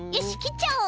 ちゃおう。